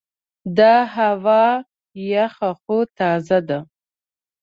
دا هوا یخه خو تازه ده.